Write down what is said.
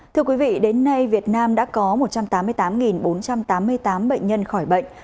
thưa quý vị đến nay việt nam đã có một trăm tám mươi tám bốn trăm tám mươi tám bệnh nhân khỏi bệnh